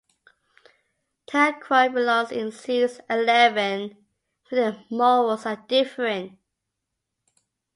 Tacroy belongs in Series Eleven, where their morals are different.